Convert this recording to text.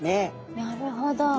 なるほど。